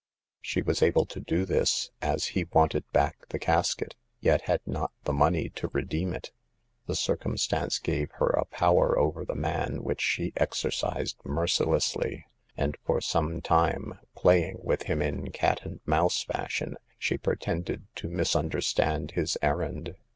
She was able to do this, as he wanted back the casket, yet had not the money to re deem it. This circumstance gave her a power over the man which she exercised mercilessly : and for some time — playing with him in cat and mouse fashion — she pretended to misunderstand his errand.